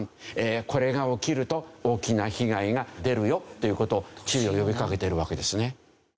これが起きると大きな被害が出るよっていう事を注意を呼びかけてるわけですね。